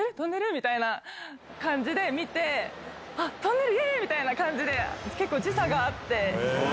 みたいな感じで見て、あっ、飛んでる、イエーイみたいな感じで、結構時差があって。